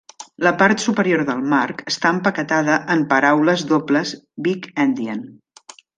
La part superior del marc està empaquetada en paraules dobles big-endian.